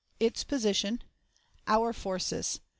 Its Position. Our Forces.